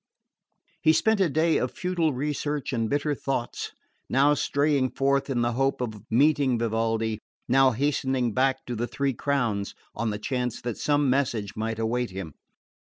He spent a day of futile research and bitter thoughts, now straying forth in the hope of meeting Vivaldi, now hastening back to the Three Crowns on the chance that some message might await him.